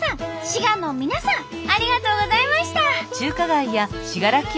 滋賀の皆さんありがとうございました。